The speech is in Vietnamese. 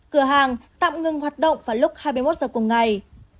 cửa hàng tạm ngừng hoạt động vào lúc hai mươi một giờ cùng ngày